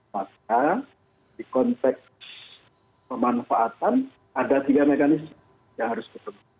maka di konteks pemanfaatan ada tiga mekanisme yang harus diperlukan